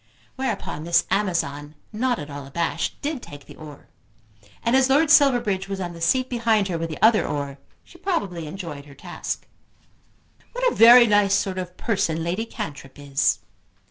Whereupon Miss Amazon, not at all abashed, did take the oar; and as Lord Silverbridge was on the seat behind her with the other oar she probably enjoyed her task. "What a very nice sort of person Lady Cantrip is."